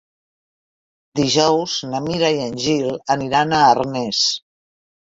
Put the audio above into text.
Dijous na Mira i en Gil aniran a Arnes.